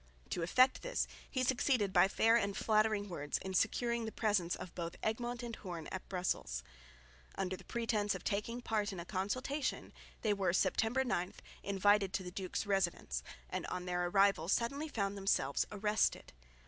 To effect this he succeeded by fair and flattering words in securing the presence of both Egmont and Hoorn at Brussels. Under the pretence of taking part in a consultation they were (September 9) invited to the duke's residence and on their arrival suddenly found themselves arrested.